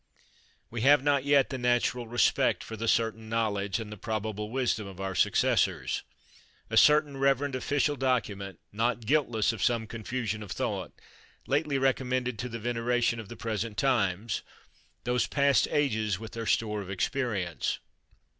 We have not yet the natural respect for the certain knowledge and the probable wisdom of our successors. A certain reverend official document, not guiltless of some confusion of thought, lately recommended to the veneration of the present times "those past ages with their store of experience."